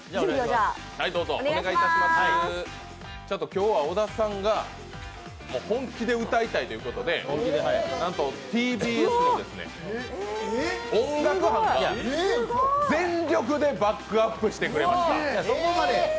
今日は小田さんが本気で歌いたいということで、なんとＴＢＳの音楽班が全力でバックアップしてくれました。